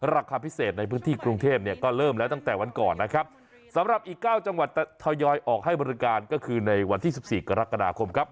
ราคาพิเศษในพื้นที่กรุงเทพเนี่ยก็เริ่มแล้วตั้งแต่วันก่อนนะครับสำหรับอีก๙จังหวัดทยอยออกให้บริการก็คือในวันที่สิบสี่กรกฎาคมครับ